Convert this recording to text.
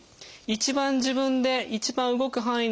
一番自分で一番動く範囲